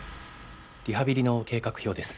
・リハビリの計画表です。